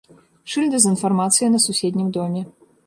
Шыльда з інфармацыяй на суседнім доме.